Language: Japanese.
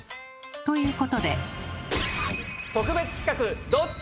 ということで！